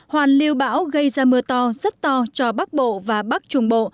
hoàn lưu bão gây ra mưa to rất to cho bắc bộ và bắc trung bộ